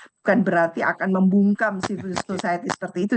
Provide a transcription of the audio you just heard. bukan berarti akan membungkam civil society seperti itu